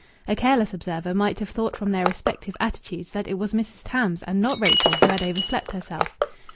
A careless observer might have thought from their respective attitudes that it was Mrs. Tarns, and not Rachel, who had overslept herself.